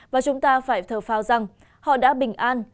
và chúng ta phải thờ phao rằng họ đã bình an